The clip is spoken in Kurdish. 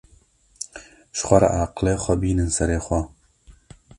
Ji xwe re aqilê xwe bînin serê xwe